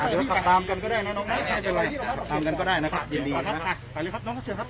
ขอช่วยสองคนครับขอช่วยครับขอยกท่าวน่ะครับอุ้มน่ะครับ